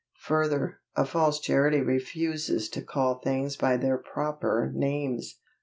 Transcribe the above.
Further, a false Charity _refuses to call things by their proper names!